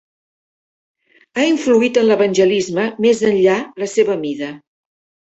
Ha influït en l'evangelisme més enllà la seva mida.